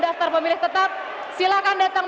daftar pemilih tetap silakan datang